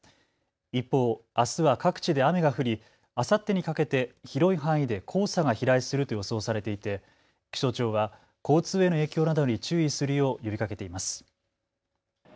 一方、あすは各地で雨が降りあさってにかけて広い範囲で黄砂が飛来すると予想されていて気象庁は交通への影響などに注意するよう呼びかけています。